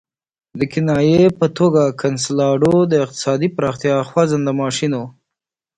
د کنایې په توګه کنسولاډو د اقتصادي پراختیا خوځنده ماشین وو.